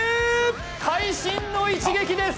会心の一撃です